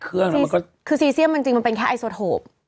คือซีเซียมมันจริงมันเป็นแค่ไอโซโทป